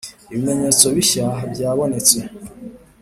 Ibimenyetso bishya byabonetse.